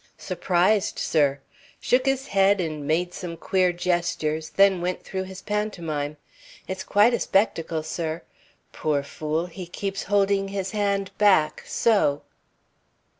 "Surprised, sir. Shook his head and made some queer gestures, then went through his pantomime. It's quite a spectacle, sir. Poor fool, he keeps holding his hand back, so."